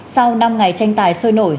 sau năm ngày tranh tài sôi nổi